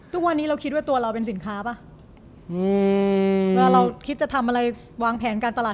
ทุกวันนี้เราคิดว่าตัวเราเป็นสินค้าป่ะ